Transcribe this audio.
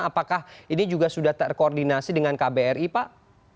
apakah ini juga sudah terkoordinasi dengan kbri pak